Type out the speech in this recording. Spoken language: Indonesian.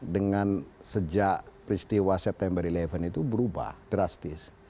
dengan sejak peristiwa september sebelas itu berubah drastis